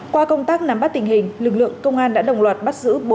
qua công tác nắm bắt tình hình lực lượng công an đã đồng loạt bắt giữ